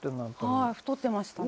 「はい太ってましたね」